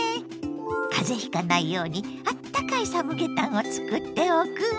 風邪ひかないようにあったかいサムゲタンをつくっておくわ。